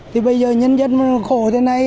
thì bây giờ nhân dân khổ thế này